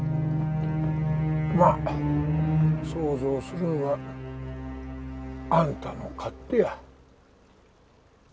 まあ想像するんはあんたの勝手や。